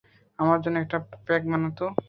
আমার জন্য একটা প্যাক বানা তো?